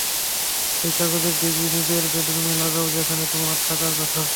এই কাগজের ডিগ্রি নিজের বেডরুমে লাগাও, যেখানে তোমার থাকার কথা।